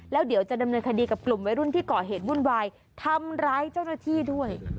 แล้วเดี๋ยวจะดำเนินคดีกับกลุ่มวัยรุ่นที่ก่อเหตุวุ่นวายทำร้ายเจ้าหน้าที่ด้วย